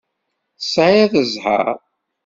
Tesɛiḍ zzheṛ.